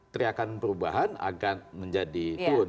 teriakan perubahan akan menjadi turun